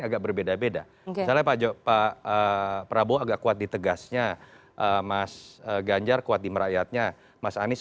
agak berbeda beda misalnya pak jopa prabowo agak kuat di tegasnya mas ganjar kuat di merakyatnya mas anies